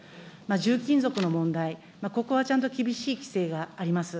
重金属の問題、ここはちゃんと厳しい規制があります。